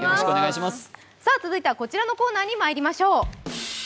続いてはこちらのコーナーにまいりましょう。